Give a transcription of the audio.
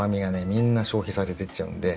みんな消費されてっちゃうんで。